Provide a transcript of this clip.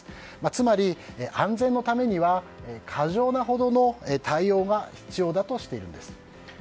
つまり、安全のためには過剰なほどの対応が必要だとしているんです。